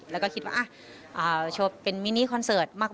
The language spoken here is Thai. แล้วก็คิดว่าโชว์เป็นมินิคอนเสิร์ตมาก